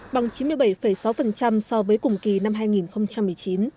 bằng chín mươi bảy sáu so với cùng kỳ năm hai nghìn một mươi chín